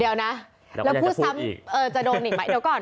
เดี๋ยวนะแล้วพูดซ้ำจะโดนอีกไหมเดี๋ยวก่อน